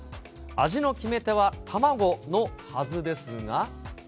味の決め手は卵のはずですが。